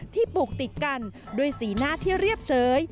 ปลูกติดกันด้วยสีหน้าที่เรียบเฉย